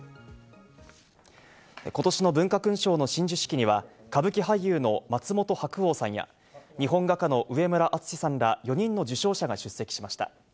今年の文化勲章の親授式には歌舞伎俳優の松本白鸚さんや日本画家の上村淳之さんら、４人の受章者が出席しました。